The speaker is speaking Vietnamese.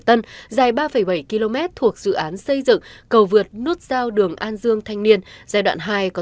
tham gia xếp bình bản đồ